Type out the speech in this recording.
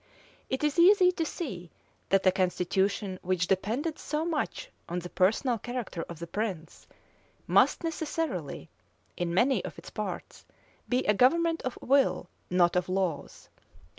It is easy to see, that a constitution which depended so much on the personal character of the prince, must necessarily, in many of its parts, be a government of will, not of laws.